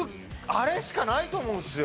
あれしかないと思うんですよ。